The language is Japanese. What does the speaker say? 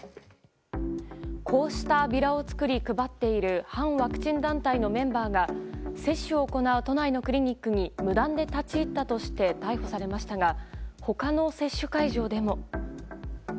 こうしたビラを作り配っている反ワクチン団体のメンバーが接種を行う都内のクリニックに無断に立ち入ったとして逮捕されましたが他の接種会場でも。